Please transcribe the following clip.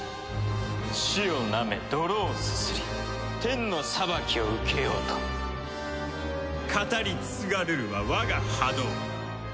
地をなめ泥をすすり天の裁きを受けようと語り継がるるは我が覇道。